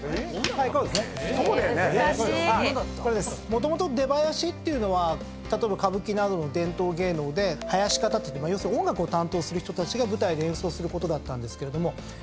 もともと「出囃子」っていうのは例えば歌舞伎などの伝統芸能で囃子方って要するに音楽を担当する人たちが舞台で演奏することだったんですけども。